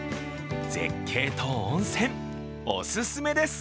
絶景と温泉、お勧めです。